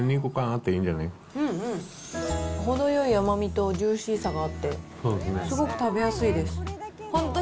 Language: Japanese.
これ、程よい甘みとジューシーさがあって、すごく食べやすいです。